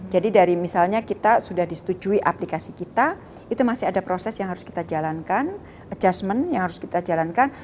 jadi dari misalnya kita sudah disetujui aplikasi kita itu masih ada proses yang harus kita jalankan adjustment yang harus kita jalankan